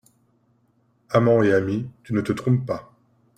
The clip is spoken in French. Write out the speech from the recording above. Amant et ami, tu ne te trompes pas.